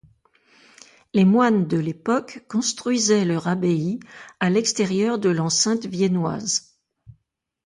Les moines de l'époque construisaient leur abbaye à l'extérieur de l'enceinte viennoise.